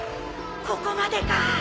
ここまでか